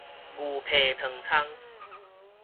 牛皮糖蔥